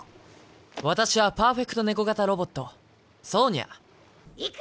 私はパーフェクトネコ型ロボットソーニャ。